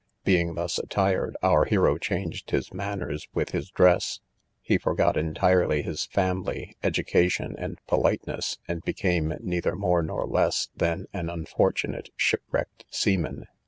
Being thus attired, our hero changed his manners with his dress; he forgot entirely his family, education, and politeness, and became neither more nor less than an unfortunate shipwrecked seaman.